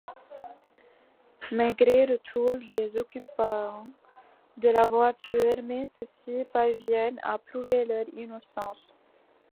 Maigret retrouve les occupants de la voiture, mais ceux-ci parviennent à prouver leur innocence.